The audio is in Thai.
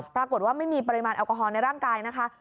ปรากฏว่าไม่มีปริมาณแอลกอฮอลในร่างกายนะคะ